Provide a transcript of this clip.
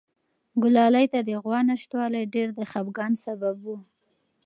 ګلالۍ ته د غوا نشتوالی ډېر د خپګان سبب و.